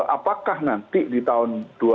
apakah nanti di tahun dua ribu